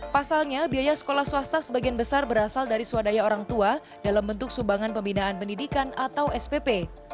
pasalnya biaya sekolah swasta sebagian besar berasal dari swadaya orang tua dalam bentuk sumbangan pembinaan pendidikan atau spp